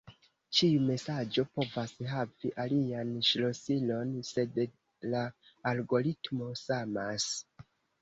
Ĉiu mesaĝo povas havi alian ŝlosilon, sed la algoritmo samas.